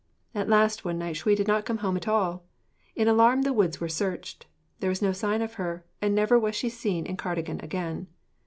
At last one night Shuï did not come home at all. In alarm the woods were searched; there was no sign of her; and never was she seen in Cardigan again.